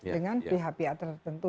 dengan pihak pihak tertentu